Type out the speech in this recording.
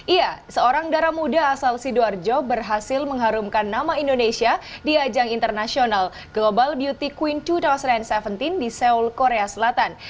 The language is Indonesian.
iya seorang darah muda asal sidoarjo berhasil mengharumkan nama indonesia di ajang internasional global beauty queen dua ribu tujuh belas di seoul korea selatan